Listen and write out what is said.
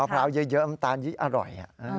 มะพร้าวเยอะอำตาลอร่อย